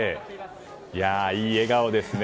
いい笑顔ですね。